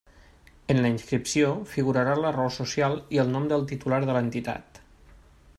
En la inscripció figurarà la raó social i el nom del titular de l'entitat.